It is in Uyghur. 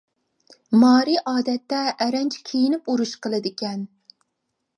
مارى ئادەتتە ئەرەنچە كىيىنىپ ئۇرۇش قىلىدىكەن.